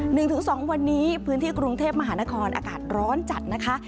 หนึ่งถึงสองวันนี้พื้นที่กรุงเทพมหานครอากาศร้อนจัดนะคะ